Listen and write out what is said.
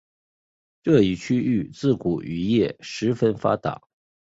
这一区域自古渔业十分发达。